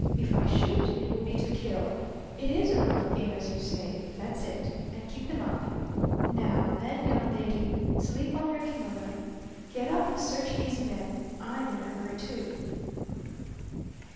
"If I shoot it will be to kill. It is a rough game, as you say. That's it; and keep them up. Now, then, young lady, slip on your kimono. Get up and search these men. I'm in a hurry, too."